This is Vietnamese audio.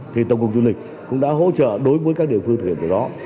thì tổng cục du lịch cũng đã hỗ trợ đối với các địa phương thực hiện việc đó